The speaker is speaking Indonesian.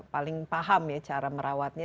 paling paham ya cara merawatnya